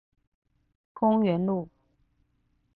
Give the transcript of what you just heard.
公園路